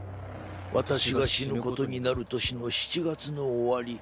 「私が死ぬことになる年の７月の終わり